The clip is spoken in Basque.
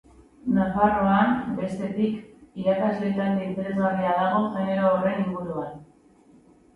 Nafarroan, bestetik, irakasle talde interesgarria dago genero horren inguruan.